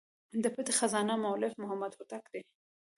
د پټي خزانې مؤلف محمد هوتک دﺉ.